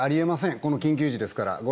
この緊急時ですから。